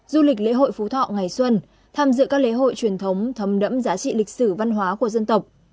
du lịch lễ hội phú thọ ngày xuân tham dự các lễ hội truyền thống thấm đẫm giá trị lịch sử văn hóa của dân tộc